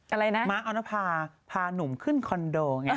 อะไรนะม้าออนภาพาหนุ่มขึ้นคอนโดไง